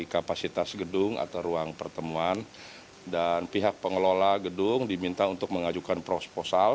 kapasitas gedung atau ruang pertemuan dan pihak pengelola gedung diminta untuk mengajukan proposal